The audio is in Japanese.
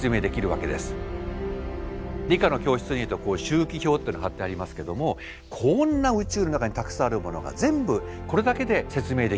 理科の教室に行くと周期表っていうのがはってありますけどもこんな宇宙の中にたくさんあるものが全部これだけで説明できる。